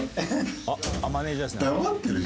あっマネージャーですね。